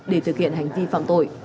để thực hiện hành vi phạm tội